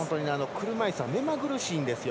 車いすは目まぐるしいんですよ。